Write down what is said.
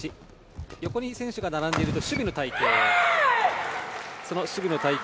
横に選手が並んでいると守備の隊形。